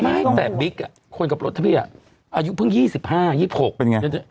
ไม่แต่บิ๊กคนกับลดทะพี้อายุเพิ่ง๒๕๒๖ป็นอย่างไร